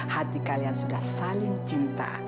hati kalian sudah saling cinta